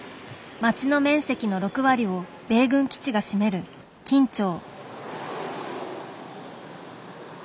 町の面積の６割を米軍基地が占める金武町。